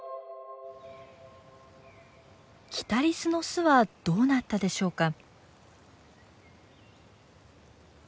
キタリスの巣はどうなったでしょうか。